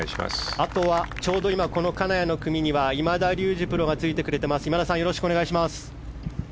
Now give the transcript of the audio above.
あとは、ちょうど今金谷の組には今田竜二プロがついてくれています。